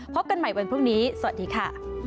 กันใหม่วันพรุ่งนี้สวัสดีค่ะ